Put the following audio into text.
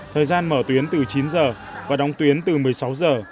thời gian mở tuyến từ chín giờ và đóng tuyến từ một mươi sáu giờ